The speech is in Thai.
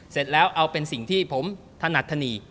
เสร็จแล้วเอาเป็นสิ่งที่ผมถนัดธนี